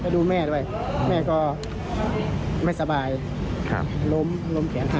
ดูแม่ด้วยแม่ก็ไม่สบายล้มแขนห่างอยู่บ้านนั้น